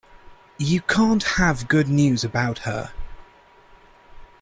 You can't have good news about her.